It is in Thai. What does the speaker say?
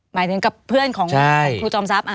หมายถึงกับเพื่อนของครูจอมทรัพย์